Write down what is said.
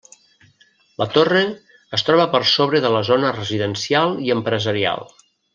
La torre es troba per sobre de la zona residencial i empresarial.